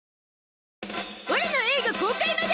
オラの映画公開まで。